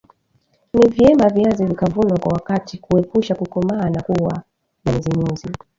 Ni vyema viazi vikavunwa kwa wakati kuepusha kukomaa na kuwa na nyuzinyuzi